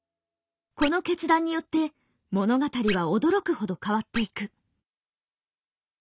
この決断によって物語は驚くほど変わっていく。